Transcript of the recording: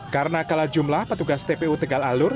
karena kalah jumlah petugas tpu tegal alur